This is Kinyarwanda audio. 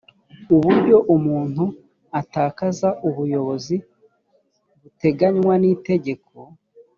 uburyo umuntu atakaza ubuyobozi buteganywa nitegeko